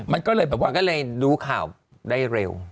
มันก็เลยแบบว่าก็เลยรู้ข่าวได้เร็ว